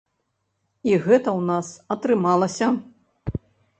І гэта ў нас атрымалася.